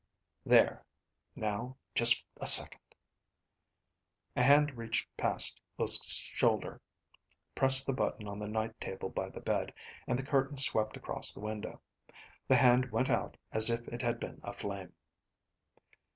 "There, now just a second." A hand reached past Uske's shoulder, pressed the button on the night table by the bed, and the curtains swept across the window. The hand went out as if it had been a flame.